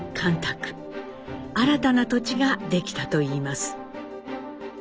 新たな土地ができたといいます。